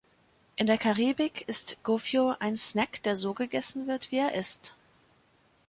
In der Karibik ist Gofio ein Snack, der so gegessen wird, wie er ist.